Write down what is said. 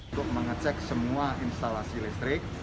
untuk mengecek semua instalasi listrik